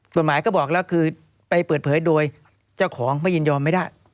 กฎหมายก็บอกแล้วคือไปเปิดเผยโดยเจ้าของไม่ยินยอมไม่ได้